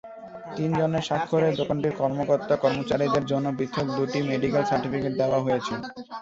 তিনজনের স্বাক্ষরে দোকানটির কর্মকর্তা-কর্মচারীদের জন্য পৃথক দুটি মেডিকেল সার্টিফিকেট দেওয়া হয়েছে।